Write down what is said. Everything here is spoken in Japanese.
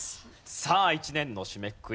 さあ一年の締めくくり。